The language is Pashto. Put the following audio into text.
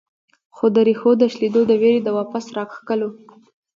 خو د ريښو د شلېدو د وېرې د واپس راښکلو